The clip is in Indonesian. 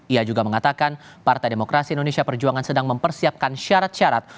ia juga mengatakan partai demokrasi indonesia perjuangan sedang mempersiapkan syarat syarat